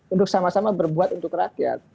untuk sama sama berbuat untuk rakyat